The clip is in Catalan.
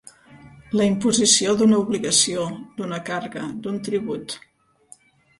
La imposició d'una obligació, d'una càrrega, d'un tribut.